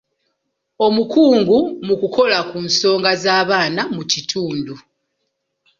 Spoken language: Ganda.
Omukungu mu kukola ku nsonga z'abaana mu kitundu.